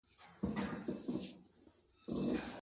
د خاوند او ميرمني تر منځ د ميراث حق څنګه دی؟